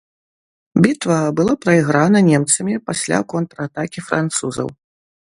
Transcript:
Бітва была прайграна немцамі пасля контратакі французаў.